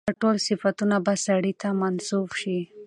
دا ټول صفتونه به سړي ته منسوب شي.